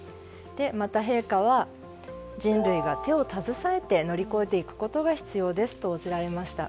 また、陛下は人類が手を携えて乗り越えていくことが必要ですと応じられました。